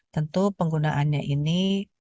tentu penggunaannya ini